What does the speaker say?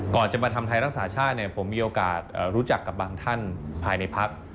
ก่อนจะมาทำไทยรักษาชาติผมมีโอกาสรู้จักกับบางท่านภายในพัก